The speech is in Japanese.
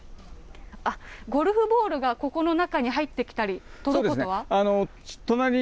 あっ、ゴルフボールが、ここの中に入ってきたりということは？